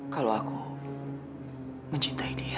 kalau aku mencintai dia